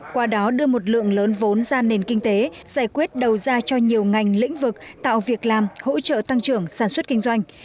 qua đó đưa một lượng lớn vốn ra nền kinh tế giải quyết đầu ra cho nhiều ngành lĩnh vực tạo việc làm hỗ trợ tăng trưởng sản xuất kinh doanh